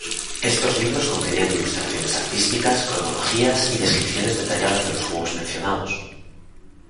Estos libros contenían ilustraciones artísticas, cronologías y descripciones detalladas de los juegos mencionados.